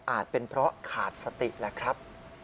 เป็นเพราะขาดสติแหละครับ